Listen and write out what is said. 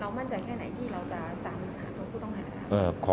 มั่นใจแค่ไหนที่เราจะตามหาตัวผู้ต้องหา